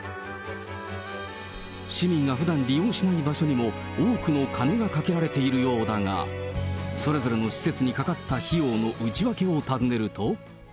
市民がふだん利用しない場所にも、多くの金がかけられているようだが、それぞれの施設にかかった費用の内訳を尋ねると。